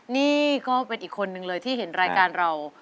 นี่ก็เป็นอีกคนนึงเลยที่เห็นรายการเรา